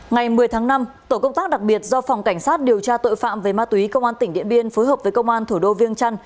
ngày một mươi tháng năm tổ công tác đặc biệt do phòng cảnh sát điều tra tội phạm về ma túy công an tỉnh điện biên phối hợp với công an thủ đô viêng trăn